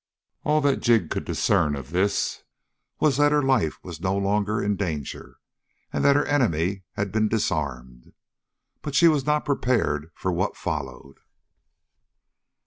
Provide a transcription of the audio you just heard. All that Jig could discern of this was that her life was no longer in danger, and that her enemy had been disarmed. But she was not prepared for what followed.